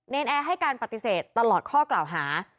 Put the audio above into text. แอร์ให้การปฏิเสธตลอดข้อกล่าวหา